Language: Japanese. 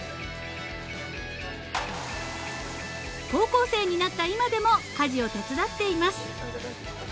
［高校生になった今でも家事を手伝っています］